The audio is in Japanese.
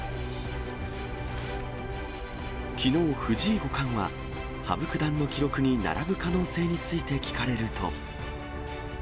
きのう、藤井五冠は、羽生九段の記録に並ぶ可能性について聞かれると。